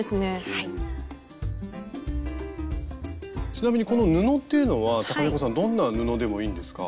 ちなみにこの布っていうのはｔａｋａｎｅｃｏさんどんな布でもいいんですか？